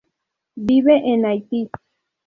Vive en Haití.